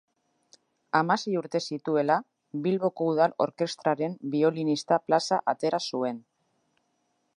Hamasei urte zituela, Bilboko Udal Orkestraren biolinista plaza atera zuen.